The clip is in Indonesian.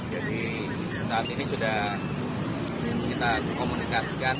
jadi saat ini sudah kita komunikasikan